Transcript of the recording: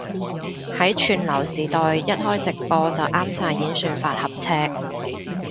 喺串流時代一開直播就啱晒演算法合尺